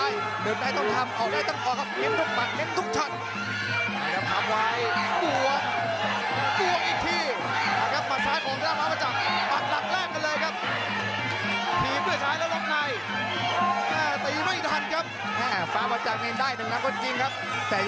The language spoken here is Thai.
ยบสุดท้าย